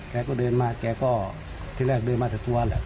แกก็เดินมาแกก็ที่แรกเดินมาแต่ตัวแหละ